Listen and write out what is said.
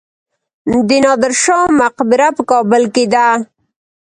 د نادر شاه مقبره په کابل کې ده